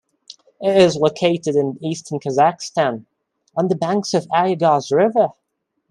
It is located in eastern Kazakhstan, on the banks of the Ayagoz River.